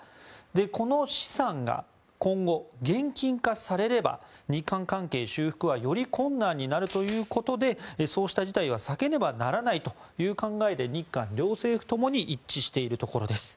この資産が今後、現金化されれば日韓関係修復はより困難になるということでそうした事態は避けねばならないという考えで日韓両政府ともに一致しているところです。